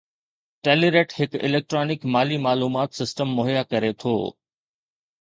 Telerate هڪ electronic مالي معلومات سسٽم مهيا ڪري ٿو